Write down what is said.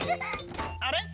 あれ？